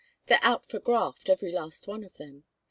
They're out for graft, every last one of them.